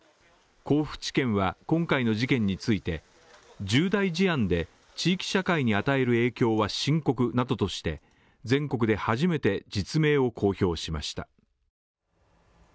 甲府地検は今回の事件について重大事案で地域社会に与える影響は深刻などとして全国で初めて実名を公表しました。